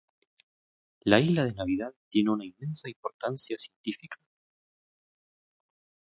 La Isla de Navidad tiene una inmensa importancia científica.